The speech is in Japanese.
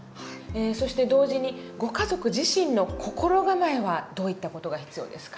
そして同時にご家族自身の心構えはどういった事が必要ですか？